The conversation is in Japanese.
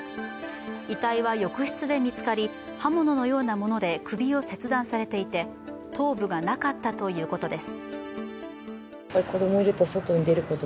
遺体は浴室で見つかり、刃物のようなもので首を切断されていて、頭部がなかったということです。